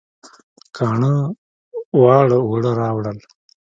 کاڼه واړه اوړه راوړل